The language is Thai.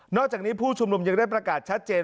อกจากนี้ผู้ชุมนุมยังได้ประกาศชัดเจน